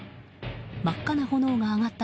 真っ赤な炎が上がった